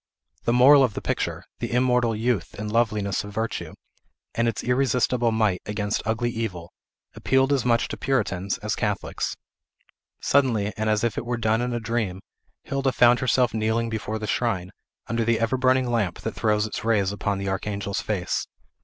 The moral of the picture, the immortal youth and loveliness of virtue, and its irresistibles might against ugly Evil, appealed as much to Puritans as Catholics. Suddenly, and as if it were done in a dream, Hilda found herself kneeling before the shrine, under the ever burning lamp that throws its rays upon the Archangel's face.